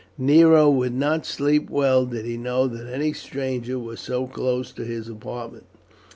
Nero would not sleep well did he know that any stranger was so close to his apartment.